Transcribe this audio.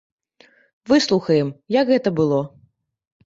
Выслухаем, як гэта было.